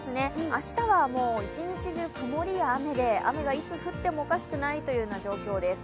明日は一日中、曇りや雨で雨がいつ降ってもおかしくない状況です。